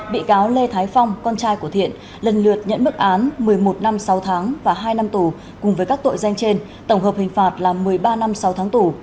bị cáo lê thái phong con trai của thiện lần lượt nhận mức án một mươi một năm sáu tháng và hai năm tù cùng với các tội danh trên tổng hợp hình phạt là một mươi ba năm sáu tháng tù